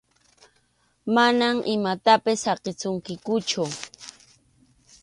Mana imatapas saqisunkikuchu.